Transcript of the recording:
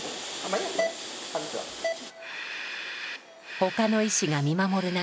他の医師が見守る中